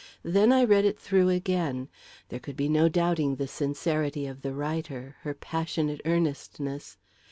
Then I read it through again there could be no doubting the sincerity of the writer, her passionate earnestness.